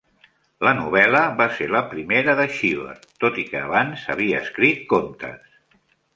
La novel·la va ser la primera de Cheever, tot i que abans havia escrit contes.